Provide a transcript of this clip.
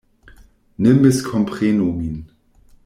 Ne miskomprenu min.